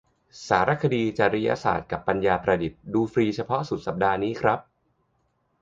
สารคดี จริยศาสตร์กับปัญญาประดิษฐ์ ดูฟรีเฉพาะสุดสัปดาห์นี้ครับ